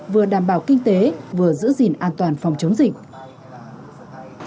vừa đảm bảo kinh tế vừa giữ gìn an toàn phòng chống dịch